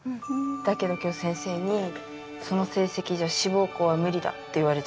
だけど今日先生にその成績じゃ志望校は無理だって言われちゃったよ。